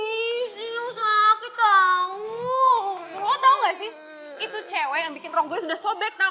lo tau gak sih itu cewek yang bikin rog gue sudah sobek tau gak